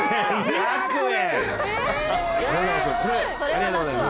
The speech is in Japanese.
ありがとうございます。